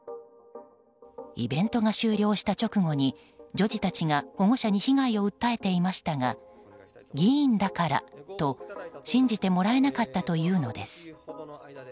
イベントが終了した直後に女児たちが保護者に被害を訴えていましたが議員だからと、信じてもらえなかったというのです。